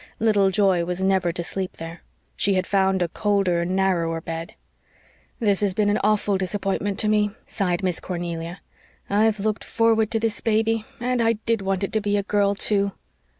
Little Joy was never to sleep there; she had found a colder, narrower bed. "This has been an awful disappointment to me," sighed Miss Cornelia. "I've looked forward to this baby and I did want it to be a girl, too."